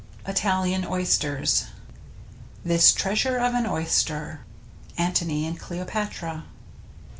ITALIAN OYSTERS This treasure of an oyster. — Antony and Cleopatra.